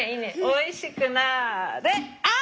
おいしくなれ！